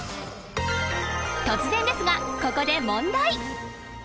［突然ですがここで問題］